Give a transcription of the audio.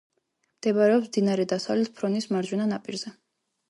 მდებარეობს მდინარე დასავლეთ ფრონის მარჯვენა ნაპირზე.